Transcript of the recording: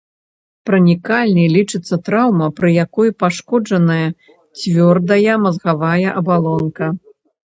Пранікальнай лічыцца траўма, пры якой пашкоджаная цвёрдая мазгавая абалонка.